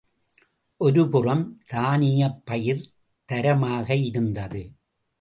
ஒருபுறம் தானியப் பயிர் தரமாக இருந்தது.